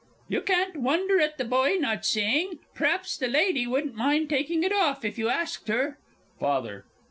You can't wonder at the boy not seeing! P'raps the lady wouldn't mind taking it off, if you asked her? FATHER.